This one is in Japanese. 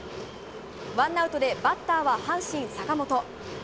ワンアウトでバッターは阪神、坂本。